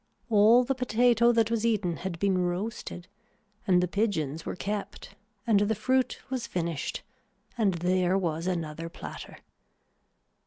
All the potato that was eaten had been roasted and the pigeons were kept and the fruit was finished and there was another platter.